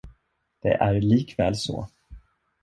Det är likväl så.